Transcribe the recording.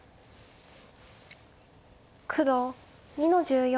黒２の十四。